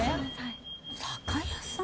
酒屋さん？